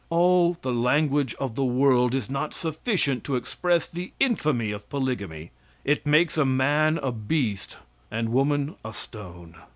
All the language of the world is not sufficient to express the infamy of polygamy; it makes man a beast and woman a stone.